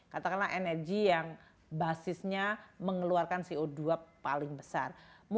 katakanlah energi yang basisnya mengeluarkan co dua paling besar